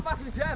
oh pas hujan